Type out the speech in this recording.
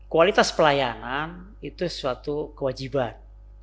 kualitas pelayanan itu suatu kewajiban